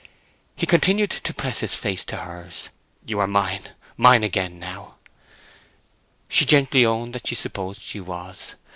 He continued to press his face to hers. "You are mine—mine again now." She gently owned that she supposed she was.